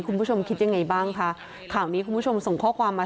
คุณผู้ชมคิดยังไงบ้างคะข่าวนี้คุณผู้ชมส่งข้อความมา